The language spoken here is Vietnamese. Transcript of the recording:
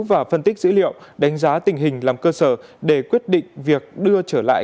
và phân tích dữ liệu đánh giá tình hình làm cơ sở để quyết định việc đưa trở lại